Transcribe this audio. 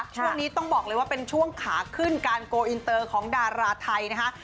ช่วงนี้ต้องบอกเลยว่าเป็นช่วงขาขึ้นการโกลอินเตอร์ของดาราไทยนะคะ